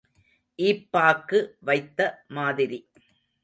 ஈப்பாக்கு வைத்த மாதிரி.